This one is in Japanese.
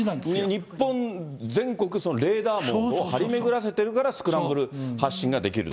日本全国、レーダー網を張り巡らせているから、スクランブル発進ができる。